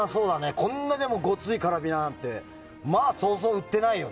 こんなにごついカラビナはまあ、そうそう売ってないよね。